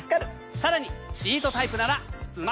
さらにシートタイプならスマホまで。